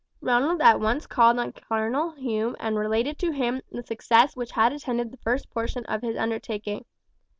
Ronald at once called on Colonel Hume and related to him the success which had attended the first portion of his undertaking.